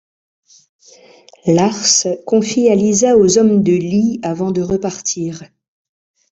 Lars confie Alisa aux hommes de Lee avant de repartir.